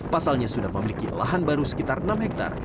pasalnya sudah memiliki lahan baru sekitar enam hektare